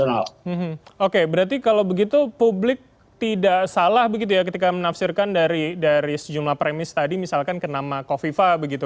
oke berarti kalau begitu publik tidak salah begitu ya ketika menafsirkan dari sejumlah premis tadi misalkan ke nama kofifa begitu